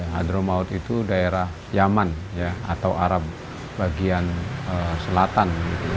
hadromaut itu daerah yaman atau arab bagian selatan